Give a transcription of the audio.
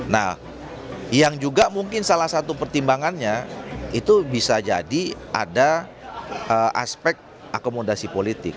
nah yang juga mungkin salah satu pertimbangannya itu bisa jadi ada aspek akomodasi politik